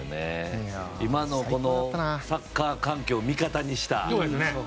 今のサッカー環境を味方にした。